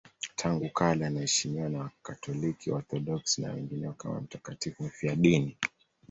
Tangu kale anaheshimiwa na Wakatoliki, Waorthodoksi na wengineo kama mtakatifu mfiadini.